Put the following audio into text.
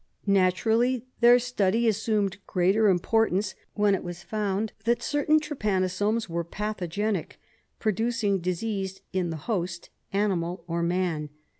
Natur ally their study assumed greater importance when it was found that certain trypanosomes were pathogenic, producing disease in the host, animal or man.